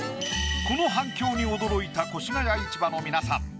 この反響に驚いた越谷市場の皆さん